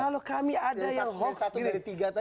kalau kami ada yang hoax